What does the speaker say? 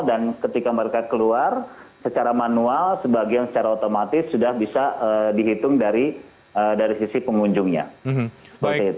dan ketika mereka keluar secara manual sebagian secara otomatis sudah bisa dihitung dari sisi pengunjungnya